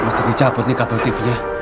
mesti dicabut nih kabel tv nya